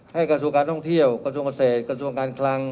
กระทรวงการท่องเที่ยวกระทรวงเกษตรกระทรวงการคลัง